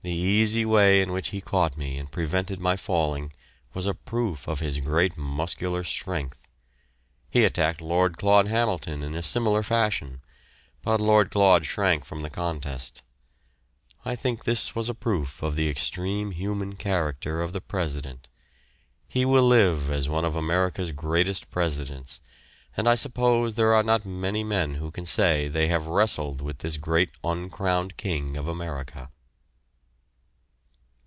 The easy way in which he caught me and prevented my falling was a proof of his great muscular strength. He attacked Lord Claud Hamilton in a similar fashion, but Lord Claud shrank from the contest. I think this was a proof of the extreme human character of the President. He will live as one of America's greatest Presidents, and I suppose there are not many men who can say they have wrestled with this great uncrowned king of America.